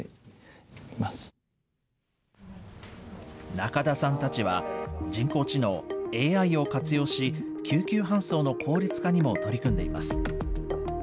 中田さんたちは人工知能・ＡＩを活用し、救急搬送の効率化にも取り組んでいます。